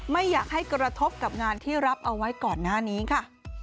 ไม่อยากให้กระทบกับงานที่รับเอาไว้ก่อนหน้านี้ค่ะ